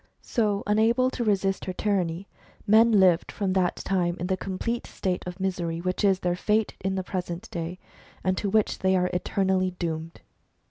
So, unable to resist her tyranny, men lived from that time in the complete state of misery, which is their fate in the present day, and to which they are eternally doomed.